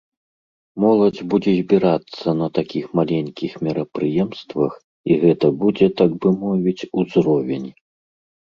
Моладзь будзе збірацца на такіх маленькіх мерапрыемствах, і гэта будзе, так бы мовіць, узровень.